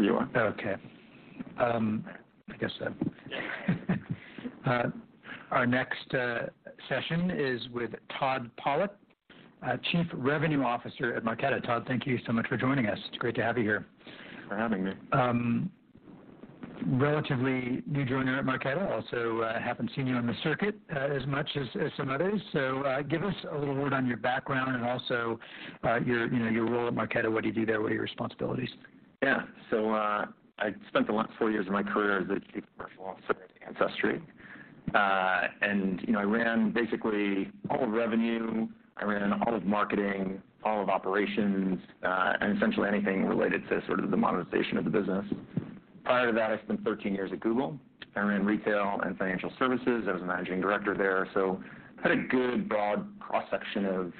Okay. I guess that our next session is with Todd Pollak, Chief Revenue Officer at Marqeta. Todd, thank you so much for joining us. It's great to have you here. Thanks for having me. Relatively new joiner at Marqeta. Haven't seen you on the circuit as much as some others. Give us a little word on your background and also, you know, your role at Marqeta. What do you do there? What are your responsibilities? Yeah. I spent the last four years of my career as a Chief Commercial Officer at Ancestry. And, you know, I ran basically all of revenue. I ran all of marketing, all of operations, and essentially anything related to sort of the monetization of the business. Prior to that, I spent 13 years at Google. I ran retail and financial services as a Managing Director there. Had a good, broad cross-section of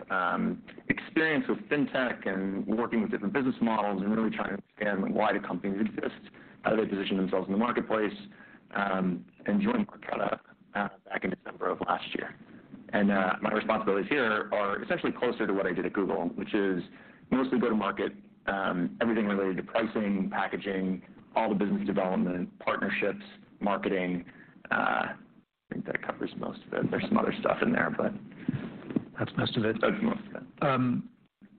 experience with FinTech and working with different business models and really trying to understand why do companies exist, how do they position themselves in the marketplace, and joined Marqeta, back in December of last year. My responsibilities here are essentially closer to what I did at Google, which is mostly go-to-market, everything related to pricing, packaging, all the business development, partnerships, marketing. I think that covers most of it. There's some other stuff in there. That's most of it. That's most of it.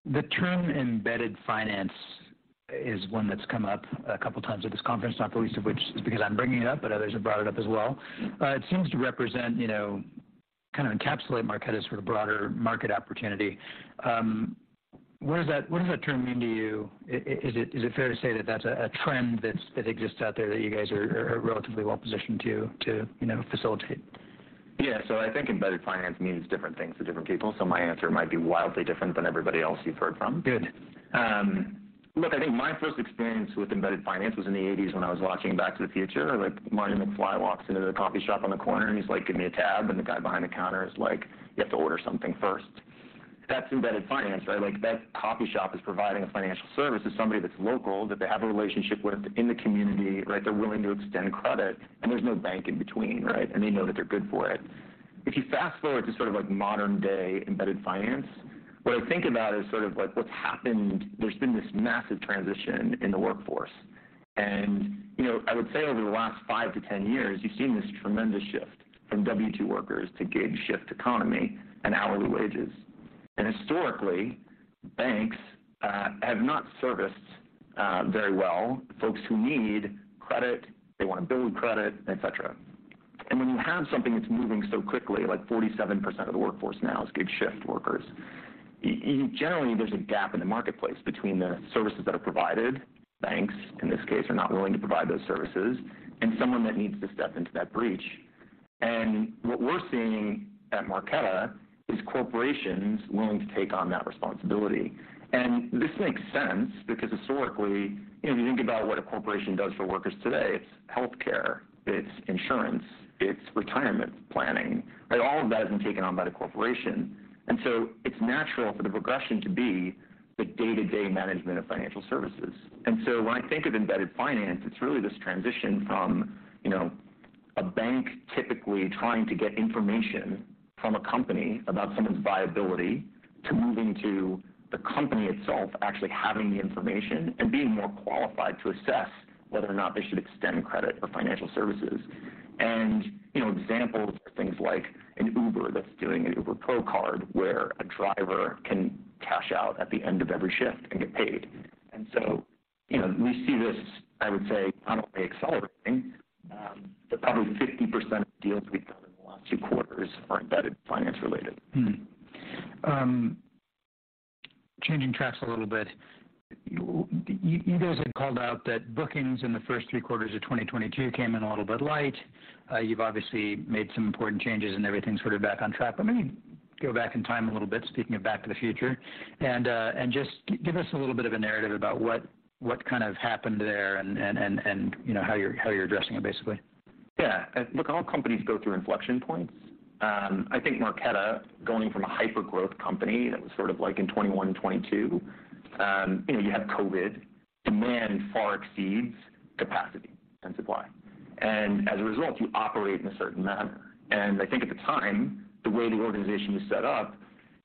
The term embedded finance is one that's come up a couple times at this conference, not the least of which is because I'm bringing it up, but others have brought it up as well. It seems to represent, you know, kind of encapsulate Marqeta's sort of broader market opportunity. What does that term mean to you? Is it fair to say that that's a trend that's that exists out there that you guys are relatively well-positioned to, you know, facilitate? Yeah. I think embedded finance means different things to different people, so my answer might be wildly different than everybody else you've heard from. Good. Look, I think my first experience with embedded finance was in the '80s when I was watching Back to the Future. Like, Marty McFly walks into the coffee shop on the corner, and he's like, "Give me a tab." The guy behind the counter is like, "You have to order something first." That's embedded finance, right? Like, that coffee shop is providing a financial service to somebody that's local, that they have a relationship with in the community, right? They're willing to extend credit, and there's no bank in between, right? They know that they're good for it. If you fast-forward to sort of like modern-day embedded finance, what I think about is sort of like what's happened. There's been this massive transition in the workforce. You know, I would say over the last five to 10 years, you've seen this tremendous shift from W2 workers to gig shift economy and hourly wages. Historically, banks have not serviced very well folks who need credit, they wanna build credit, etc. When you have something that's moving so quickly, like 47% of the workforce now is gig shift workers, you generally there's a gap in the marketplace between the services that are provided, banks in this case are not willing to provide those services, and someone that needs to step into that breach. What we're seeing at Marqeta is corporations willing to take on that responsibility. This makes sense because historically, you know, you think about what a corporation does for workers today, it's healthcare, it's insurance, it's retirement planning, right? All of that is being taken on by the corporation. It's natural for the progression to be the day-to-day management of financial services. When I think of embedded finance, it's really this transition from, you know, a bank typically trying to get information from a company about someone's viability to moving to the company itself actually having the information and being more qualified to assess whether or not they should extend credit for financial services. You know, examples are things like an Uber that's doing an Uber Pro Card where a driver can cash out at the end of every shift and get paid. You know, we see this, I would say, not only accelerating, but probably 50% of deals we've done in the last two quarters are embedded finance related. Changing tracks a little bit. You guys had called out that bookings in the first three quarters of 2022 came in a little bit light. You've obviously made some important changes, and everything's sort of back on track. Maybe go back in time a little bit, speaking of Back to the Future, and just give us a little bit of a narrative about what kind of happened there and, you know, how you're, how you're addressing it basically. Yeah, look, all companies go through inflection points. I think Marqeta going from a hyper-growth company that was sort of like in 2021 and 2022, you know, you have COVID, demand far exceeds capacity and supply. As a result, you operate in a certain manner. I think at the time, the way the organization was set up,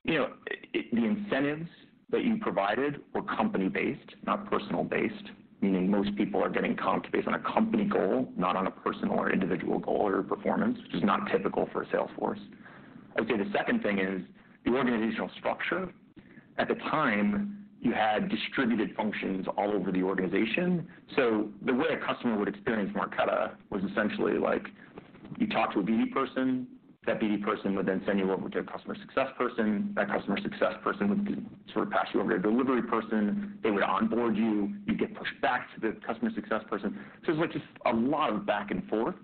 you know, the incentives that you provided were company-based, not personal-based. Meaning most people are getting comp based on a company goal, not on a personal or individual goal or performance, which is not typical for a sales force. I would say the second thing is the organizational structure. At the time, you had distributed functions all over the organization. The way a customer would experience Marqeta was essentially like you talk to a BD person, that BD person would send you over to a customer success person. That customer success person would sort of pass you over to a delivery person. They would onboard you. You'd get pushed back to the customer success person. It's like just a lot of back and forth.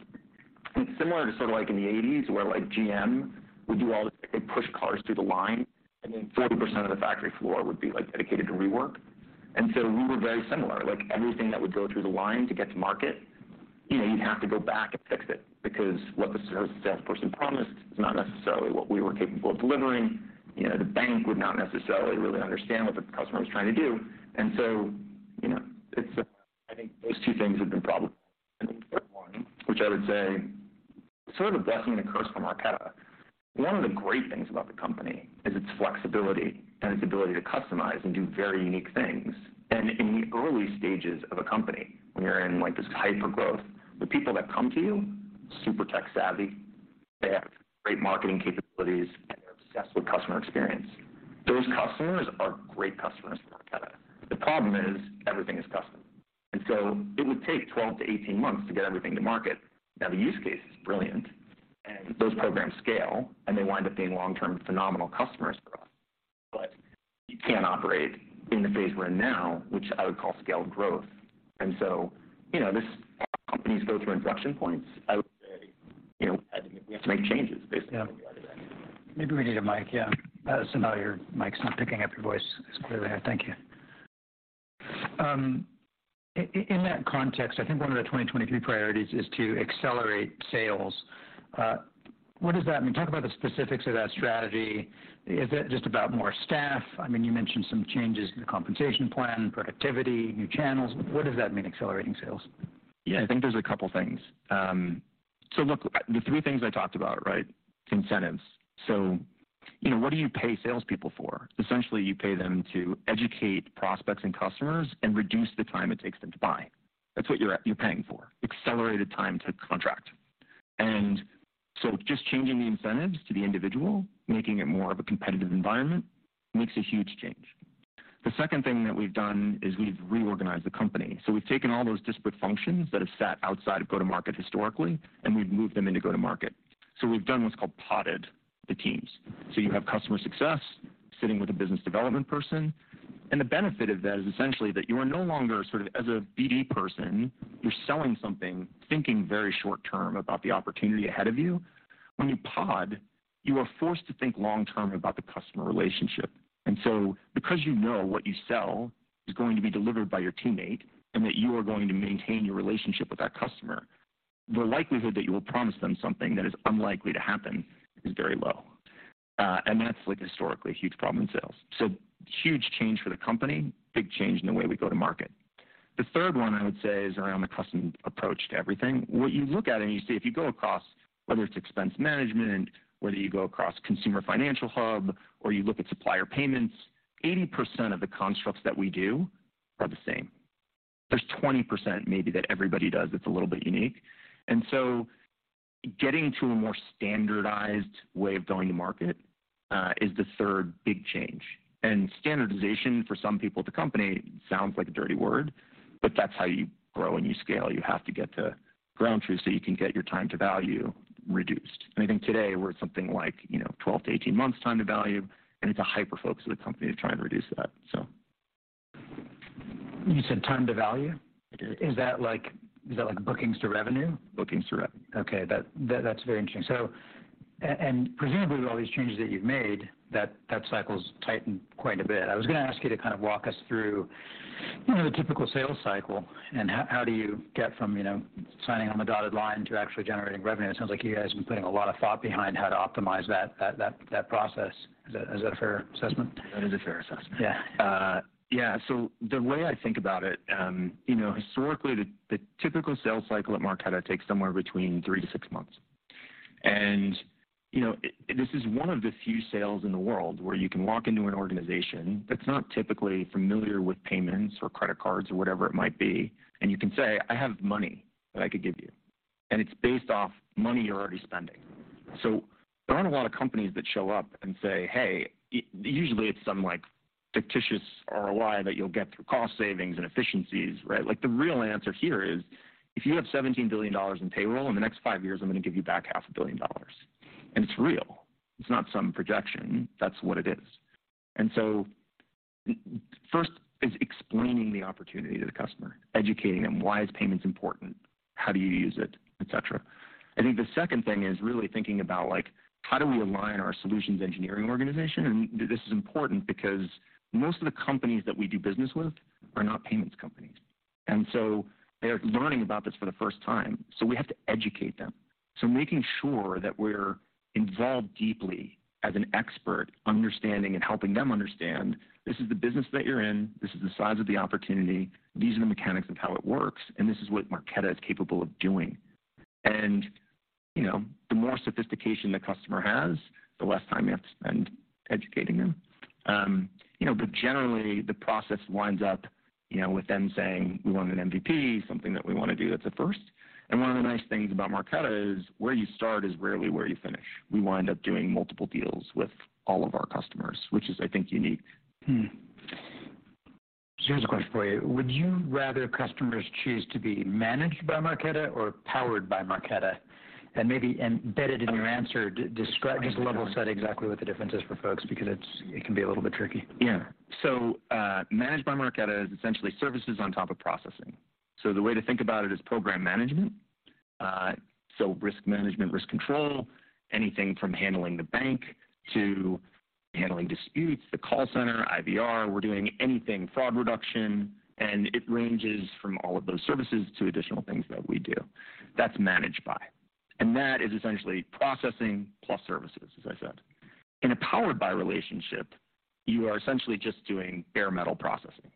It's similar to sort of like in the '80s where like GM would do all the... they'd push cars through the line, 40% of the factory floor would be like dedicated to rework. We were very similar. Like, everything that would go through the line to get to market, you know, you'd have to go back and fix it because what the success person promised is not necessarily what we were capable of delivering. You know, the bank would not necessarily really understand what the customer was trying to do. I think those two things have been, which I would say is sort of a blessing and a curse for Marqeta. One of the great things about the company is its flexibility and its ability to customize and do very unique things. In the early stages of a company, when you're in, like, this hypergrowth, the people that come to you, super tech-savvy, they have great marketing capabilities, and they're obsessed with customer experience. Those customers are great customers for Marqeta. The problem is everything is custom, it would take 12 to 18 months to get everything to market. The use case is brilliant, those programs scale, and they wind up being long-term phenomenal customers for us. You can't operate in the phase we're in now, which I would call scale growth. You know, companies go through inflection points. I would say, you know, we have to make changes based on where we are today. Yeah. Maybe we need a mic. Yeah. Sunil, your mic's not picking up your voice as clearly. Thank you. In that context, I think one of the 2023 priorities is to accelerate sales. What does that mean? Talk about the specifics of that strategy. Is that just about more staff? I mean, you mentioned some changes in the compensation plan, productivity, new channels. What does that mean, accelerating sales? Yeah. I think there's a couple things. Look, the three things I talked about, right? Incentives. You know, what do you pay salespeople for? Essentially, you pay them to educate prospects and customers and reduce the time it takes them to buy. That's what you're paying for, accelerated time to contract. Just changing the incentives to the individual, making it more of a competitive environment, makes a huge change. The second thing that we've done is we've reorganized the company. We've taken all those disparate functions that have sat outside of go-to-market historically, and we've moved them into go-to-market. We've done what's called podded the teams. You have customer success sitting with a business development person. The benefit of that is essentially that you are no longer sort of as a BD person, you're selling something, thinking very short term about the opportunity ahead of you. When you pod, you are forced to think long term about the customer relationship. Because you know what you sell is going to be delivered by your teammate and that you are going to maintain your relationship with that customer, the likelihood that you will promise them something that is unlikely to happen is very low. That's, like, historically a huge problem in sales. Huge change for the company, big change in the way we go to market. The third one I would say is around the custom approach to everything. What you look at and you see, if you go across whether it's expense management, whether you go across consumer financial hub or you look at supplier payments, 80% of the constructs that we do are the same. There's 20% maybe that everybody does that's a little bit unique. Getting to a more standardized way of going to market is the third big change. Standardization for some people at the company sounds like a dirty word, but that's how you grow and you scale. You have to get to ground truth so you can get your time to value reduced. I think today we're at something like, you know, 12 to 18 months time to value, and it's a hyper-focus of the company to try and reduce that. You said time to value. I did. Is that like bookings to revenue? Bookings to revenue. That's very interesting. And presumably with all these changes that you've made, that cycle's tightened quite a bit. I was gonna ask you to kind of walk us through, you know, the typical sales cycle and how do you get from, you know, signing on the dotted line to actually generating revenue. It sounds like you guys have been putting a lot of thought behind how to optimize that process. Is that a fair assessment? That is a fair assessment. Yeah. Yeah. The way I think about it, you know, historically the typical sales cycle at Marqeta takes somewhere between three to six months. You know, this is one of the few sales in the world where you can walk into an organization that's not typically familiar with payments or credit cards or whatever it might be, and you can say, "I have money that I could give you," and it's based off money you're already spending. There aren't a lot of companies that show up and say, "Hey..." Usually it's some, like, fictitious ROI that you'll get through cost savings and efficiencies, right? The real answer here is, "If you have $17 billion in payroll, in the next five years, I'm gonna give you back half a billion dollars." It's real. It's not some projection. That's what it is. First is explaining the opportunity to the customer, educating them, why is payments important, how do you use it, et cetera. I think the second thing is really thinking about, like, how do we align our solutions engineering organization? This is important because most of the companies that we do business with are not payments companies. They're learning about this for the first time, so we have to educate them. So making sure that we're involved deeply as an expert, understanding and helping them understand, "This is the business that you're in. This is the size of the opportunity. These are the mechanics of how it works, and this is what Marqeta is capable of doing." You know, the more sophistication the customer has, the less time you have to spend educating them. You know, generally the process winds up, you know, with them saying, "We want an MVP, something that we wanna do that's a first." One of the nice things about Marqeta is where you start is rarely where you finish. We wind up doing multiple deals with all of our customers, which is I think unique. Here's a question for you: Would you rather customers choose to be Managed by Marqeta or Powered by Marqeta? Maybe embedded in your answer, just level set exactly what the difference is for folks because it can be a little bit tricky. Yeah. Managed by Marqeta is essentially services on top of processing. The way to think about it is program management. Risk management, risk control, anything from handling the bank to handling disputes, the call center, IVR. We're doing anything fraud reduction, it ranges from all of those services to additional things that we do. That's Managed by Marqeta. That is essentially processing plus services, as I said. In a powered by relationship, you are essentially just doing bare metal processing.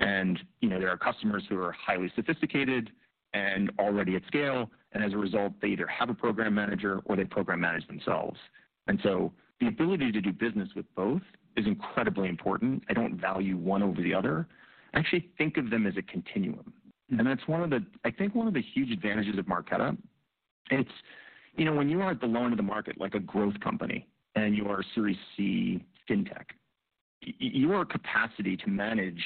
You know, there are customers who are highly sophisticated and already at scale, as a result, they either have a program manager or they program manage themselves. The ability to do business with both is incredibly important. I don't value one over the other. I actually think of them as a continuum. That's one of the... I think one of the huge advantages of Marqeta, and it's, you know, when you aren't the loan to the market like a growth company and you are a Series C FinTech, your capacity to manage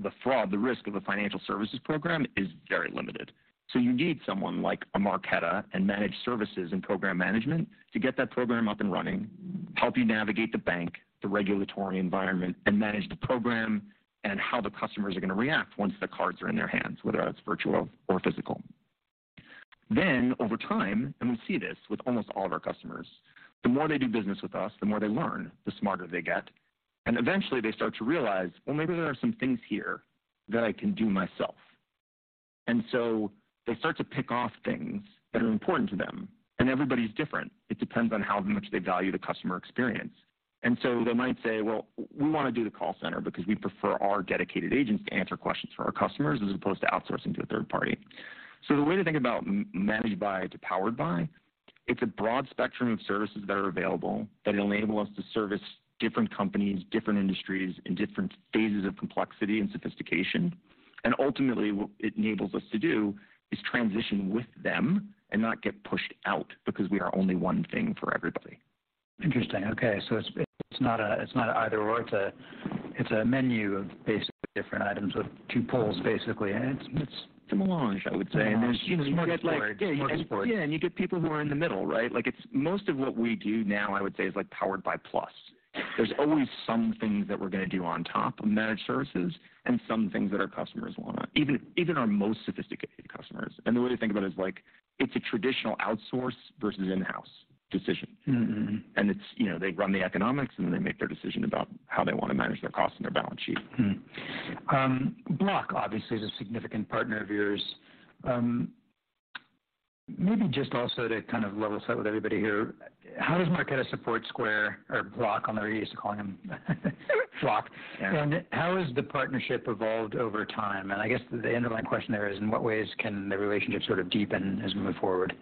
the fraud, the risk of a financial services program is very limited. You need someone like a Marqeta and managed services and program management to get that program up and running, help you navigate the bank, the regulatory environment, and manage the program and how the customers are gonna react once the cards are in their hands, whether that's virtual or physical. Over time, and we see this with almost all of our customers, the more they do business with us, the more they learn, the smarter they get. Eventually they start to realize, "Well, maybe there are some things here that I can do myself." They start to pick off things that are important to them, and everybody's different. It depends on how much they value the customer experience. They might say, "Well, we wanna do the call center because we prefer our dedicated agents to answer questions for our customers as opposed to outsourcing to a third party." The way to think about Managed by to Powered by, it's a broad spectrum of services that are available that enable us to service different companies, different industries in different phases of complexity and sophistication. Ultimately, what it enables us to do is transition with them and not get pushed out because we are only one thing for everybody. Interesting. Okay. It's, it's not a, it's not an either/or. It's a, it's a menu of basically different items with two poles, basically. It's, it's a melange, I would say. A melange. Smorgasbord. Smorgasbord. There's, you know, you get people who are in the middle, right? Like, most of what we do now, I would say, is like powered by plus. There's always some things that we're gonna do on top of managed services and some things that our customers want, even our most sophisticated customers. The way to think about it is like it's a traditional outsource versus in-house decision. Mm-hmm. It's, you know, they run the economics, and then they make their decision about how they wanna manage their cost and their balance sheet. Hmm. Block obviously is a significant partner of yours. Maybe just also to kind of level set with everybody here, how does Marqeta support Square or Block? I know you're used to calling them Block. Yeah. How has the partnership evolved over time? I guess the end of my question there is, in what ways can the relationship sort of deepen as we move forward?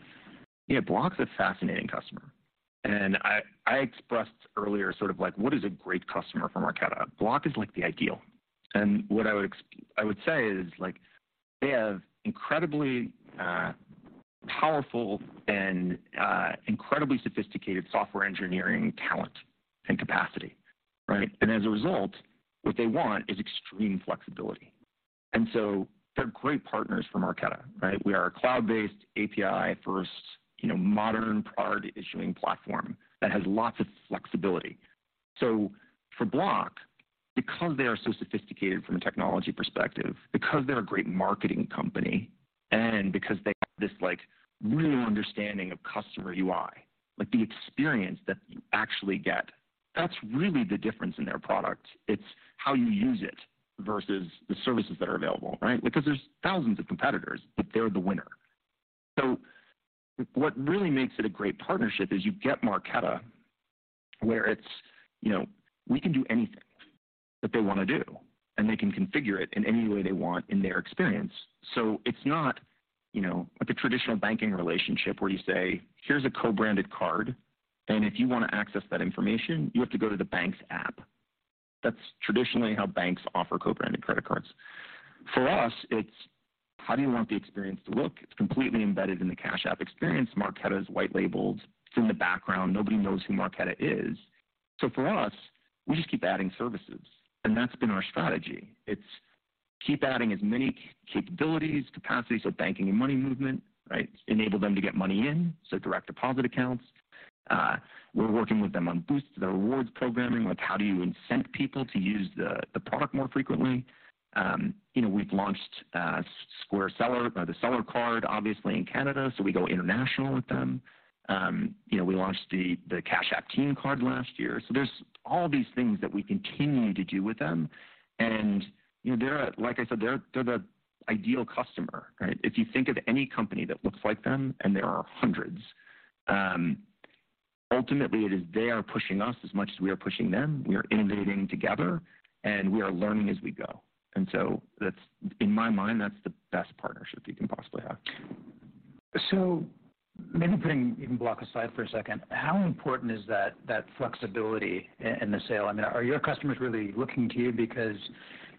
Yeah. Block's a fascinating customer. I expressed earlier sort of like what is a great customer for Marqeta. Block is like the ideal, what I would say is like they have incredibly powerful and incredibly sophisticated software engineering talent and capacity, right? As a result, what they want is extreme flexibility. They're great partners for Marqeta, right? We are a cloud-based API first, you know, modern card issuing platform that has lots of flexibility. For Block, because they are so sophisticated from a technology perspective, because they're a great marketing company, and because they have this like real understanding of customer UI, like the experience that you actually get, that's really the difference in their product. It's how you use it versus the services that are available, right? Because there's thousands of competitors, but they're the winner. What really makes it a great partnership is you get Marqeta where it's, you know, we can do anything that they wanna do, and they can configure it in any way they want in their experience. It's not, you know, like a traditional banking relationship where you say, "Here's a co-branded card, and if you wanna access that information, you have to go to the bank's app." That's traditionally how banks offer co-branded credit cards. For us, it's, "How do you want the experience to look?" It's completely embedded in the Cash App experience. Marqeta is white labeled. It's in the background. Nobody knows who Marqeta is. For us, we just keep adding services, and that's been our strategy. It's keep adding as many capabilities, capacities, so banking and money movement, right? Enable them to get money in, so direct deposit accounts. We're working with them on boosts to their rewards programming, like how do you incent people to use the product more frequently. You know, we've launched Square Seller, the Seller card obviously in Canada, we go international with them. You know, we launched the Cash App Teen Card last year. There's all these things that we continue to do with them and, you know, Like I said, they're the ideal customer, right? If you think of any company that looks like them, and there are hundreds, ultimately it is they are pushing us as much as we are pushing them. We are innovating together, and we are learning as we go. That's, in my mind, that's the best partnership you can possibly have. Maybe putting even Block aside for a second, how important is that flexibility in the sale? I mean, are your customers really looking to you because,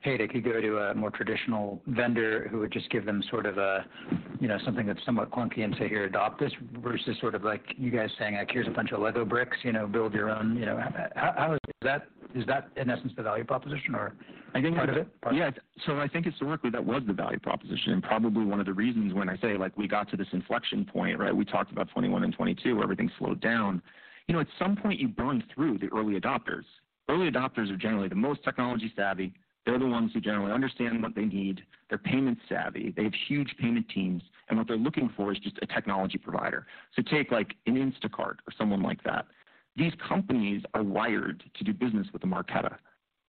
hey, they could go to a more traditional vendor who would just give them sort of a, you know, something that's somewhat clunky and say, 'Here, adopt this,' versus sort of like you guys saying like, 'Here's a bunch of LEGO bricks, you know, build your own,' you know. Is that in essence the value proposition or part of it? Part of it? I think, yeah. I think historically that was the value proposition and probably one of the reasons when I say like we got to this inflection point, right? We talked about 2021 and 2022 where everything slowed down. You know, at some point you burn through the early adopters. Early adopters are generally the most technology savvy. They're the ones who generally understand what they need. They're payment savvy. They have huge payment teams, and what they're looking for is just a technology provider. Take like an Instacart or someone like that. These companies are wired to do business with a Marqeta.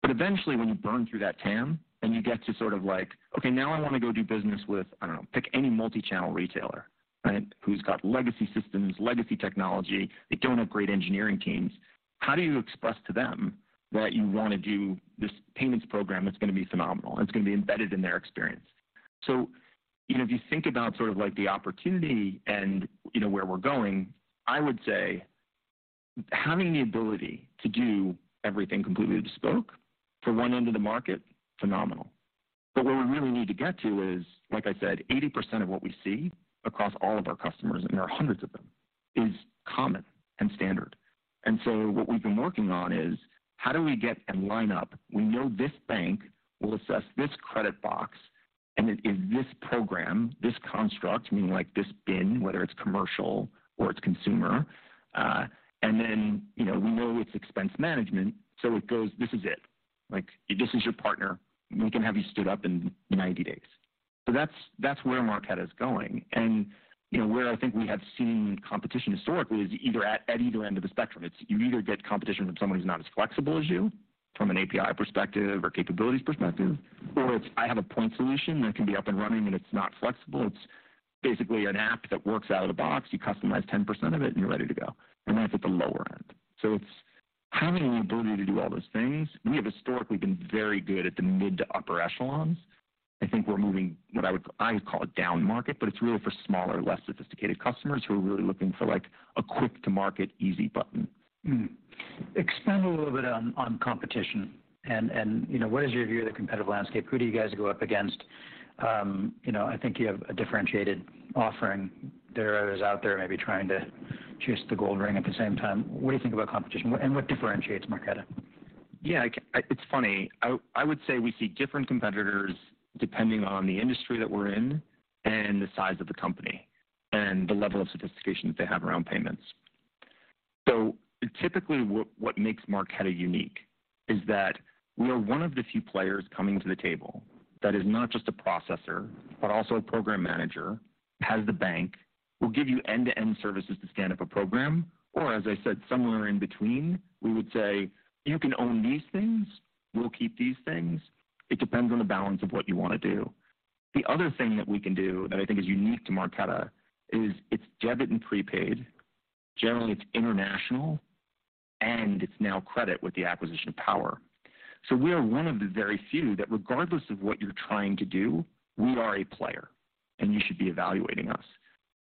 Eventually when you burn through that TAM and you get to sort of like, okay, now I want to go do business with, I don't know, pick any multi-channel retailer, right? Who's got legacy systems, legacy technology. They don't have great engineering teams. How do you express to them that you want to do this payments program that's going to be phenomenal, and it's going to be embedded in their experience? You know, if you think about sort of like the opportunity and you know where we're going, I would say having the ability to do everything completely bespoke for one end of the market, phenomenal. What we really need to get to is, like I said, 80% of what we see across all of our customers, and there are hundreds of them, is common and standard. What we've been working on is how do we get and line up? We know this bank will assess this credit box, and it is this program, this construct, meaning like this BIN, whether it's commercial or it's consumer, and then, you know, we know it's expense management. It goes, this is it. Like, this is your partner. We can have you stood up in 90 days. That's where Marqeta is going. You know, where I think we have seen competition historically is either at either end of the spectrum. It's you either get competition from someone who's not as flexible as you from an API perspective or capabilities perspective, or it's I have a point solution that can be up and running, and it's not flexible. It's basically an app that works out of the box. You customize 10% of it and you're ready to go. That's at the lower end. It's having the ability to do all those things. We have historically been very good at the mid to upper echelons. I think we're moving what I would call it down market, but it's really for smaller, less sophisticated customers who are really looking for like a quick to market easy button. Mm-hmm. Expand a little bit on competition and, you know, what is your view of the competitive landscape? Who do you guys go up against? you know, I think you have a differentiated offering. There are others out there maybe trying to chase the gold ring at the same time. What do you think about competition, and what differentiates Marqeta? Yeah, it's funny. I would say we see different competitors depending on the industry that we're in and the size of the company and the level of sophistication that they have around payments. Typically what makes Marqeta unique is that we are one of the few players coming to the table that is not just a processor but also a program manager, has the bank, will give you end-to-end services to stand up a program, or as I said, somewhere in between, we would say, "You can own these things, we'll keep these things." It depends on the balance of what you want to do. The other thing that we can do that I think is unique to Marqeta is it's debit and prepaid. Generally, it's international, and it's now credit with the acquisition of Power. We are one of the very few that regardless of what you're trying to do, we are a player, and you should be evaluating us.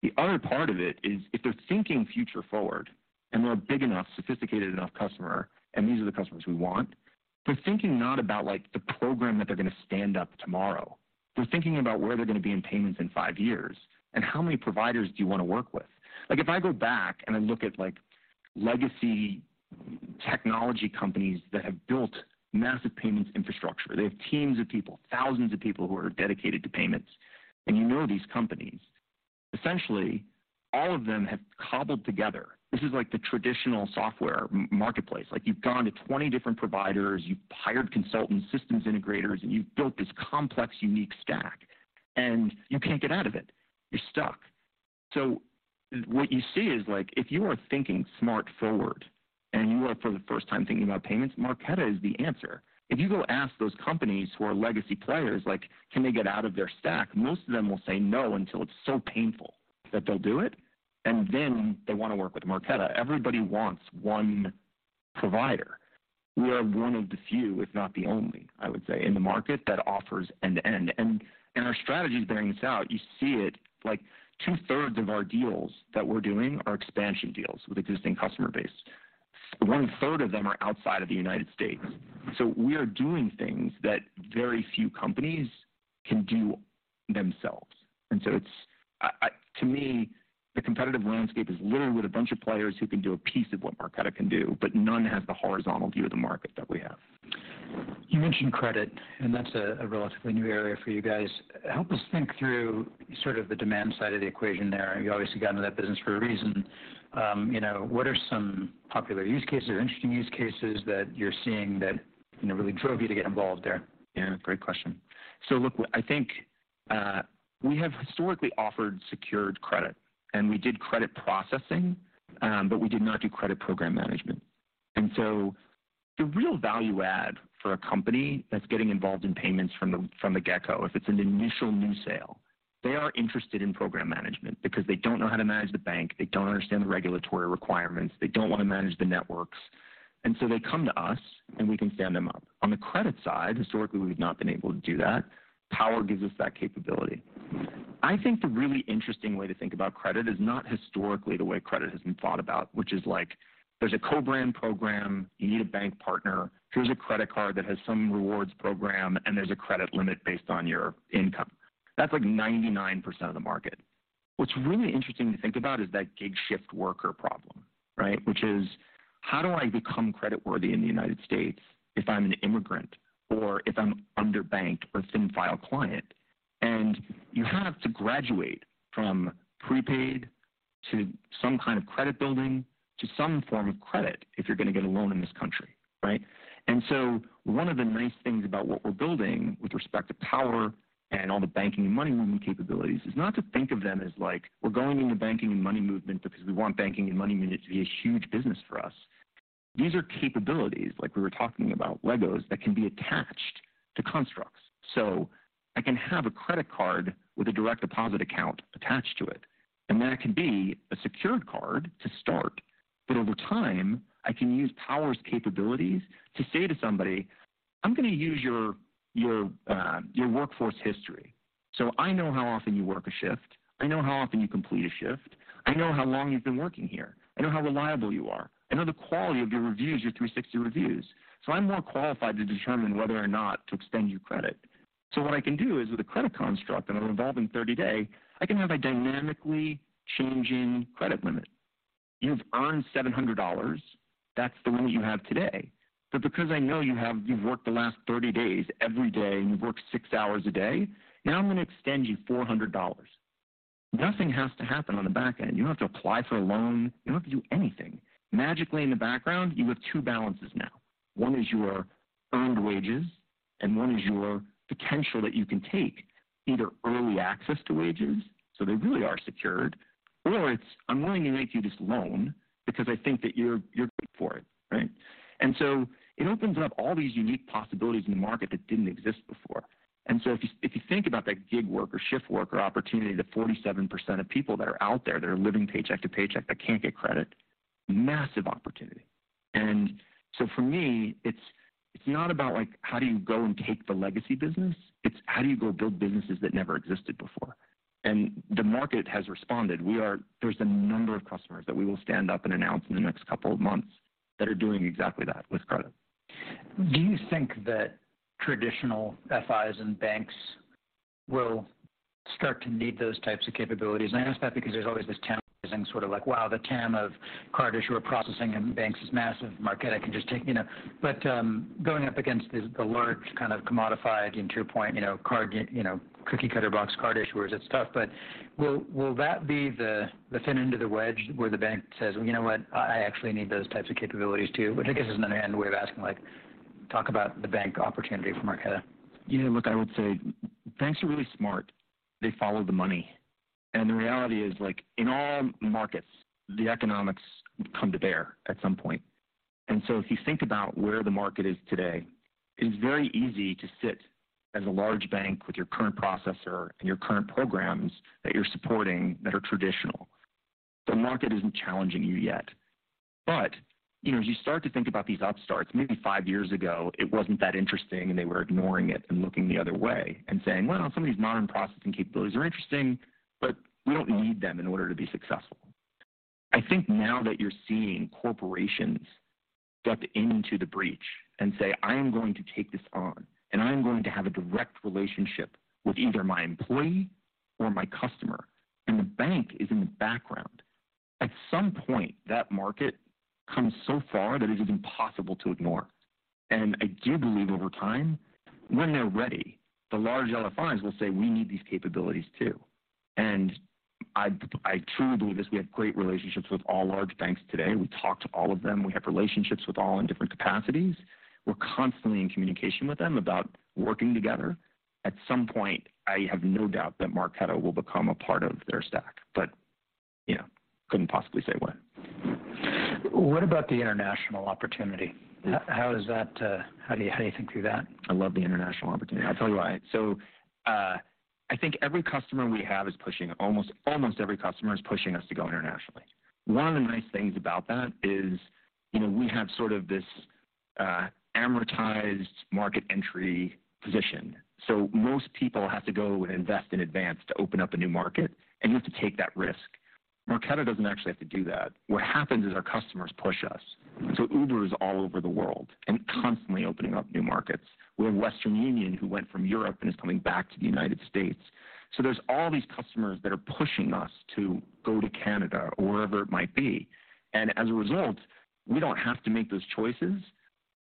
The other part of it is if they're thinking future forward and we're a big enough, sophisticated enough customer, and these are the customers we want. They're thinking not about like the program that they're gonna stand up tomorrow, they're thinking about where they're gonna be in payments in five years and how many providers do you wanna work with? Like if I go back and I look at like legacy technology companies that have built massive payments infrastructure, they have teams of people, thousands of people who are dedicated to payments, and you know these companies. Essentially all of them have cobbled together. This is like the traditional software marketplace. Like you've gone to 20 different providers, you've hired consultants, systems integrators, and you've built this complex, unique stack, and you can't get out of it. You're stuck. What you see is like if you are thinking smart forward and you are for the first time thinking about payments, Marqeta is the answer. If you go ask those companies who are legacy players, like can they get out of their stack? Most of them will say no until it's so painful that they'll do it, and then they wanna work with Marqeta. Everybody wants one provider. We are one of the few, if not the only, I would say, in the market that offers end-to-end. Our strategy is bearing this out. You see it like two-thirds of our deals that we're doing are expansion deals with existing customer base. One-third of them are outside of the United States. We are doing things that very few companies can do themselves. To me, the competitive landscape is littered with a bunch of players who can do a piece of what Marqeta can do, but none has the horizontal view of the market that we have. You mentioned credit, that's a relatively new area for you guys. Help us think through sort of the demand side of the equation there. You obviously got into that business for a reason. You know, what are some popular use cases or interesting use cases that you're seeing that, you know, really drove you to get involved there? Yeah, great question. Look, I think we have historically offered secured credit, and we did credit processing, but we did not do credit program management. The real value add for a company that's getting involved in payments from the, from the get-go, if it's an initial new sale, they are interested in program management because they don't know how to manage the bank. They don't understand the regulatory requirements. They don't wanna manage the networks, they come to us, and we can stand them up. On the credit side, historically, we've not been able to do that. Power gives us that capability. I think the really interesting way to think about credit is not historically the way credit has been thought about, which is like there's a co-brand program, you need a bank partner. Here's a credit card that has some rewards program, and there's a credit limit based on your income. That's like 99% of the market. What's really interesting to think about is that gig shift worker problem, right? Which is how do I become creditworthy in the United States if I'm an immigrant or if I'm underbanked or thin-file client? You have to graduate from prepaid to some kind of credit building to some form of credit if you're gonna get a loan in this country, right? One of the nice things about what we're building with respect to Power Finance and all the banking and money movement capabilities is not to think of them as like we're going in the banking and money movement because we want banking and money movement to be a huge business for us. These are capabilities like we were talking about LEGOs that can be attached to constructs. I can have a credit card with a direct deposit account attached to it, and that can be a secured card to start. Over time, I can use Power's capabilities to say to somebody, "I'm gonna use your workforce history, so I know how often you work a shift, I know how often you complete a shift, I know how long you've been working here. I know how reliable you are. I know the quality of your reviews, your 360 reviews. I'm more qualified to determine whether or not to extend you credit." What I can do is with a credit construct on a revolving 30-day, I can have a dynamically changing credit limit. You've earned $700. That's the limit you have today. Because I know you've worked the last 30 days every day, and you've worked six hours a day, now I'm gonna extend you $400. Nothing has to happen on the back end. You don't have to apply for a loan. You don't have to do anything. Magically in the background, you have two balances now. One is your earned wages and one is your potential that you can take either early access to wages, so they really are secured or it's, I'm willing to make you this loan because I think that you're good for it, right? It opens up all these unique possibilities in the market that didn't exist before. If you, if you think about that gig work or shift work or opportunity to 47% of people that are out there that are living paycheck to paycheck that can't get credit, massive opportunity. For me, it's not about like how do you go and take the legacy business, it's how do you go build businesses that never existed before. The market has responded. There's a number of customers that we will stand up and announce in the next couple of months that are doing exactly that with credit. Do you think that traditional FIs and banks will start to need those types of capabilities? I ask that because there's always this tantalizing sort of like, wow, the TAM of card issuer processing and banks is massive. Marqeta can just take, you know... Going up against this large kind of commodified, again, to your point, you know, card, cookie cutter box card issuers, it's tough. Will that be the thin end of the wedge where the bank says, "Well, you know what? I actually need those types of capabilities too." Which I guess is another way of asking, like, talk about the bank opportunity for Marqeta. You know, look, I would say banks are really smart. They follow the money. The reality is, like, in all markets, the economics come to bear at some point. If you think about where the market is today, it's very easy to sit as a large bank with your current processor and your current programs that you're supporting that are traditional. The market isn't challenging you yet. You know, as you start to think about these upstarts, maybe 5 years ago it wasn't that interesting and they were ignoring it and looking the other way and saying, "Well, some of these modern processing capabilities are interesting, but we don't need them in order to be successful." I think now that you're seeing corporations step into the breach and say, "I am going to take this on, and I am going to have a direct relationship with either my employee or my customer," and the bank is in the background. At some point, that market comes so far that it is impossible to ignore. I do believe over time, when they're ready, the large FIs will say, "We need these capabilities too." I truly believe this. We have great relationships with all large banks today. We talk to all of them. We have relationships with all in different capacities. We're constantly in communication with them about working together. At some point, I have no doubt that Marqeta will become a part of their stack, but, you know, couldn't possibly say when. What about the international opportunity? How is that? How do you think through that? I love the international opportunity. I'll tell you why. I think every customer we have is pushing almost every customer is pushing us to go internationally. One of the nice things about that is, you know, we have sort of this amortized market entry position. Most people have to go and invest in advance to open up a new market, and you have to take that risk. Marqeta doesn't actually have to do that. What happens is our customers push us. Uber is all over the world and constantly opening up new markets. We have Western Union, who went from Europe and is coming back to the United States. There's all these customers that are pushing us to go to Canada or wherever it might be. As a result, we don't have to make those choices.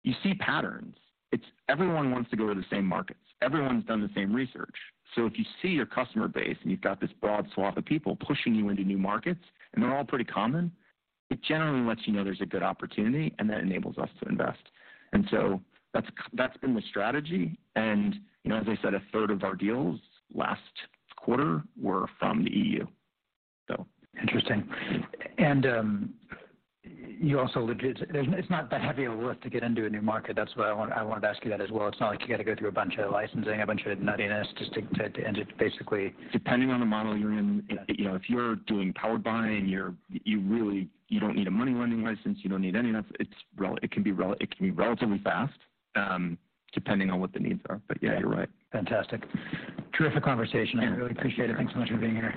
You see patterns. It's everyone wants to go to the same markets. Everyone's done the same research. If you see your customer base and you've got this broad swath of people pushing you into new markets, and they're all pretty common, it generally lets you know there's a good opportunity and that enables us to invest. That's been the strategy. You know, as I said, a third of our deals last quarter were from the EU. Interesting. It's not that heavy a lift to get into a new market. That's why I wanted to ask you that as well. It's not like you got to go through a bunch of licensing, a bunch of nuttiness just to. Depending on the model you're in. You know, if you're doing Powered by Marqeta and you really don't need a money lending license. You don't need any of... It can be relatively fast, depending on what the needs are. Yeah, you're right. Fantastic. Terrific conversation. Yeah. Thank you. I really appreciate it. Thanks so much for being here.